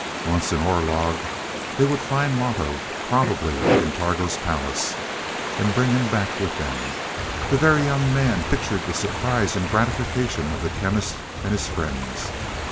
Once in Orlog they would find Loto probably in Targo's palace and bring him back with them. The Very Young Man pictured the surprise and gratification of the Chemist and his friends.